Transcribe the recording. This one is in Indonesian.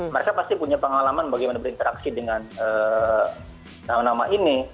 mereka pasti punya pengalaman bagaimana berinteraksi dengan nama nama ini